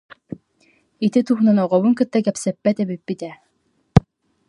Ити туһунан оҕобутун кытта кэпсэппэт эбиппит ээ